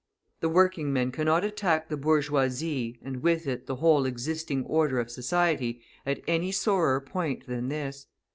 The working men cannot attack the bourgeoisie, and with it the whole existing order of society, at any sorer point than this.